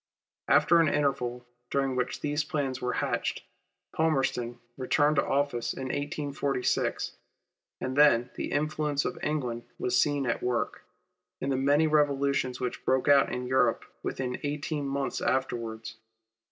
After an interval during which these plans were hatched, Palmerston returned to office in 1846, and then the influence of England was seen at work, in the many revolutions which broke out in Europe within eighteen months afterwards.